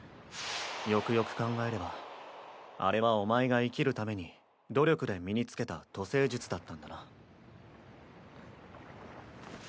よくよく考えればあれはお前が生きるために努力で身に付けた渡世術だったんだな。